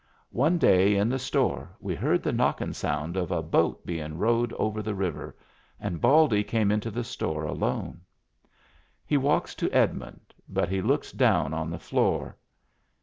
One day in the store we heard the knockin' sound of a boat bein' rowed over the river, and Baldy came into the store alone. He walks to Edmund, but he looks down on the floor.